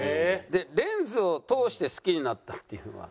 で「レンズを通して好きになった」っていうのは？